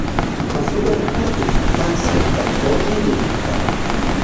Pasó gran parte de su infancia en California y en Inglaterra.